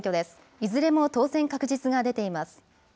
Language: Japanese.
いずれも当選確実が出ています。